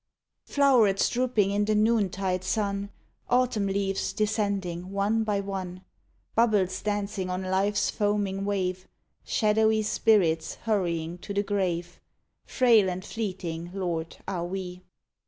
Flow'rets drooping in the noon tide sun; Autumn leaves descending one by one; Bubbles dancing on life's foaming wave; Shadowy spirits hurrying to the grave; Frail and fleeting, Lord, are we.